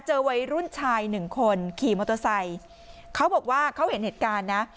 วัยรุ่นชายหนึ่งคนขี่มอเตอร์ไซค์เขาบอกว่าเขาเห็นเหตุการณ์นะ